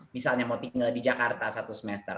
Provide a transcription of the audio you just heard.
misalnya mau tinggal di jakarta satu semester